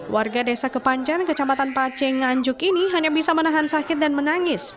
warga desa kepanjan kecamatan pace nganjuk ini hanya bisa menahan sakit dan menangis